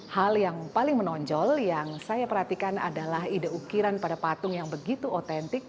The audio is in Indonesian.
hal yang paling menonjol yang saya perhatikan adalah ide ukiran pada patung yang begitu otentik